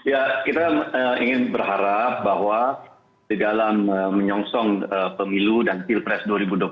ya kita ingin berharap bahwa di dalam menyongsong pemilu dan pilpres dua ribu dua puluh empat